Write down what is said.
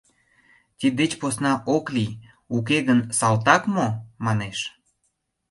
Тиддеч посна ок лий... уке гын, салтак мо?» – манеш...